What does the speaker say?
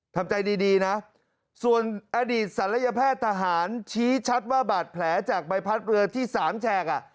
ทำใจดีนะส่วนอดีตศัลยแพทย์ทหารชี้ชัดว่าบาดแผลจากใบพัดเรือที่สามแฉก